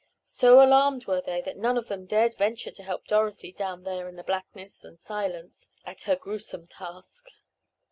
So alarmed were they that none of them dared venture to help Dorothy down there in the blackness and silence, at her grewsome task.